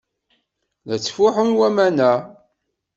La ttfuḥun waman-a.